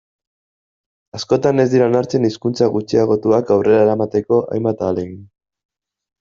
Askotan ez dira onartzen hizkuntza gutxiagotuak aurrera eramateko hainbat ahalegin.